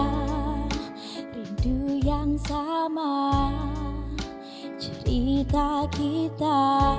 rindu yang sama cerita kita